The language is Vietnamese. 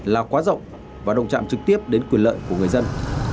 là quá rộng và động trạm trực tiếp đến quyền lợi của người dân